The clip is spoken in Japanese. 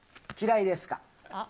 嫌いですか？